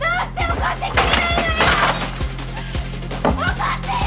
怒ってよ！